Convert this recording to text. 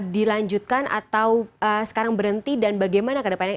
dilanjutkan atau sekarang berhenti dan bagaimana ke depannya